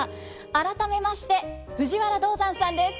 改めまして藤原道山さんです。